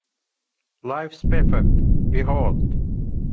Life's perfect. Behold